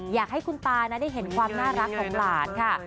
อยากให้คุณตาได้เห็นความน่ารักของหลานค่ะ